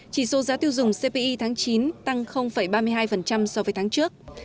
chỉ số giá tiêu dùng cpi tháng chín tăng ba mươi hai so với tháng trước